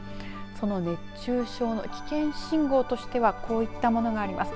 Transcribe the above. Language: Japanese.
その熱中症の危険信号としてはこういったものがあります。